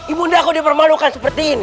ibu ndako dipermanukan seperti ini